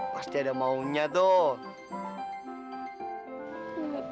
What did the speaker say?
pasti ada maunya tuh